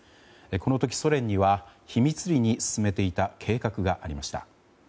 この時、ソ連には秘密裏に進めていた計画がありました。